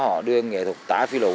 họ đưa nghệ thuật tả phi lụ